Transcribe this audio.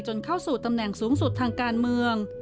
เข้าสู่ตำแหน่งสูงสุดทางการเมือง